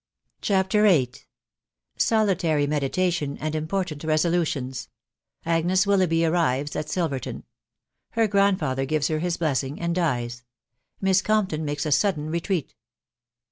CHAPTER VIII. SOLITARY MEDITATION AND IMPORTANT RESOLUTIONS. —■ AONXS WIL LOUGHBY ARRIVES AT SILVXRTON. HER GRANDFATHER GIVES HER HIS BLESSING. AND DIES.— MISS COMPTON MAKES A SUDDEN RETREAT.